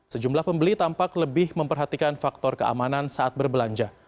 sejumlah pembeli tampak lebih memperhatikan faktor keamanan saat berbelanja